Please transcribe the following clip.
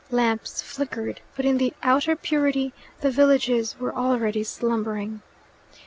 Lamps flickered, but in the outer purity the villages were already slumbering.